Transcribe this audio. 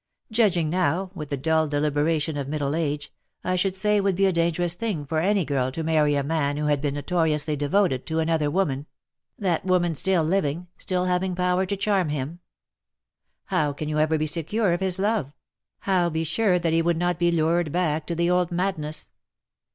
Judging now, with the dull deliberation of middle age, I should say it would be a dangerous thing for any girl to marry a man who had been notoriously devoted to another woman — 262 LE SECRET DE POLICHINELLE. that woman still living, still having power to charm him. How can you ever be secure of his love ? how be sure that he would not be lured back to the old madness